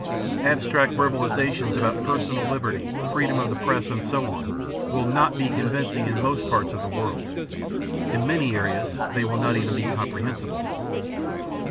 Abstract verbalizations about personal liberty, freedom of the press, and so on, will not be convincing in most parts of the world. In many areas they will not even be comprehensible.